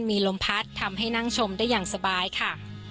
มีลมพัดทำให้นั่งชมได้อย่างสบายค่ะ